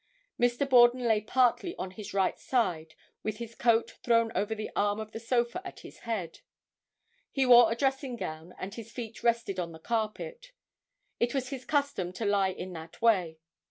Mr. Borden lay partly on his right side, with his coat thrown over the arm of the sofa at its head. He wore a dressing gown and his feet rested on the carpet. It was his custom to lie in that way.